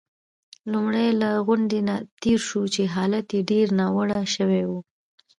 لومړی له غونډ نه تېر شوو، چې حالت يې ډېر ناوړه شوی وو.